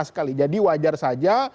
sekali jadi wajar saja